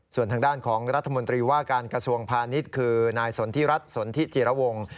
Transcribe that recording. ส่วนทางด้านของรัฐมนตรีว่าการกระทรวงพาณิชย์คือนายสนทิรัฐสนทิจิระวง